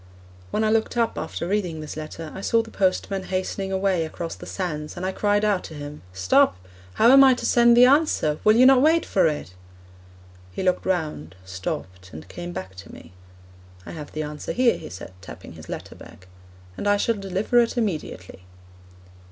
When I looked up after reading this letter I saw the postman hastening away across the sands, and I cried out to him, 'Stop! how am I to send the answer? Will you not wait for it?' He looked round, stopped, and came back to me. 'I have the answer here,' he said, tapping his letter bag, 'and I shall deliver it immediately.'